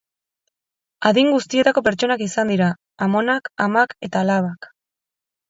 Adin guztietako pertsonak izan dira, amonak, amak eta alabak.